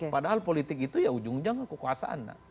padahal politik itu ya ujung ujungnya kekuasaan